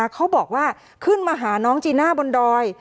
เขาบอกว่าขึ้นมาหาน้องจีน่าบนดอย